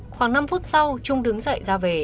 khoảng năm phút sau trung đứng dậy ra về